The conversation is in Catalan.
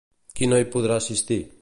Qui no hi podrà assistir?